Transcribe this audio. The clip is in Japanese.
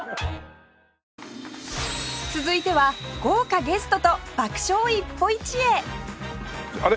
続いては豪華ゲストと爆笑一歩一会あれ？